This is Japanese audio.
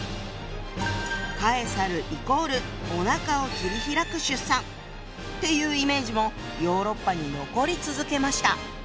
カエサルイコールおなかを切り開く出産っていうイメージもヨーロッパに残り続けました。